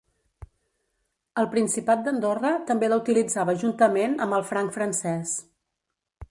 El Principat d'Andorra també la utilitzava juntament amb el franc francès.